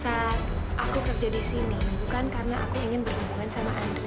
aku kerja di sini bukan karena aku ingin berhubungan sama andre